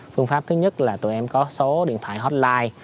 phương pháp thứ nhất là tụi em có số điện thoại hotline